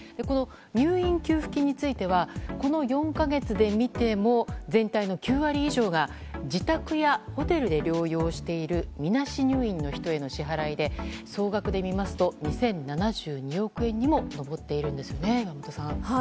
入院給付金についてはこの４か月で見ても全体の９割以上が自宅やホテルで療養しているみなし入院の人への支払いで総額で見ますと２７２億円にも上っているんですよね、岩本さん。